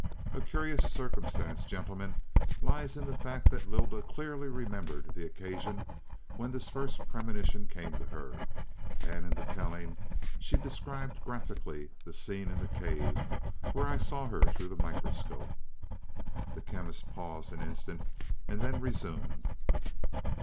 A curious circumstance, gentlemen, lies in the fact that Lylda clearly remembered the occasion when this first premonition came to her. And in the telling, she described graphically the scene in the cave, where I saw her through the microscope." The Chemist paused an instant and then resumed.